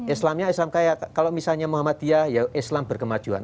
islamnya islam kayak kalau misalnya muhammadiyah ya islam berkemajuan